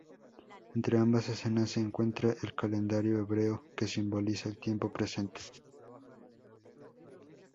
Entre ambas escenas se encuentra El calendario hebreo que simboliza el tiempo presente.